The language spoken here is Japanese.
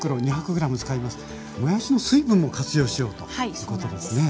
もやしの水分も活用しようということですね。